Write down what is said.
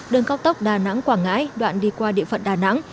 đường cao tốc đà nẵng quảng ngãi đoạn đi qua địa phận đà nẵng